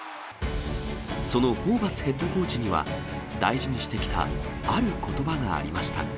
そのホーバスヘッドコーチには、大事にしてきたあることばがありました。